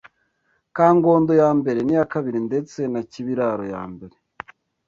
Kangondo ya mbere n’iya kabiri ndetse na Kibiraro ya mbere,